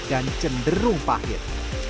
dan cenderung pahit